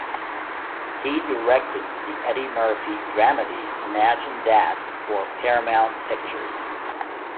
He directed the Eddie Murphy dramedy "Imagine That" for Paramount Pictures.